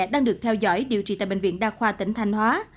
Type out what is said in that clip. đang được theo dõi điều trị tại bệnh viện đa khoa tỉnh thanh hóa